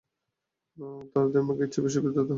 তার দেমাগে ইচ্ছা বেশি উদয় হত।